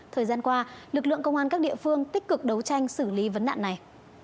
thời gian qua lực lượng công an các địa phương tích cực đấu tranh xử lý vấn nạn này